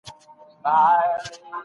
لويه جرګه د هېواد خپلواکي لمانځي.